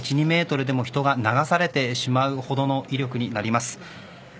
１、２メートルでも人が流されてしまうほどの威力になります。